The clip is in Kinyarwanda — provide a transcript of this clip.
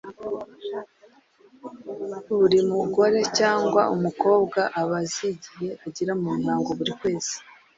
Buri mugore cg umukobwa aba azi igihe agira mu mihango buri kwezi.